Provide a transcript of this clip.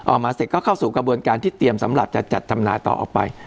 ออกมาเสร็จก็เข้าสู่กระบวนการที่เตรียมสำหรับจะจัดทำนาต่อออกไป